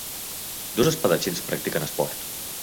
Dos espadatxins practiquen esport.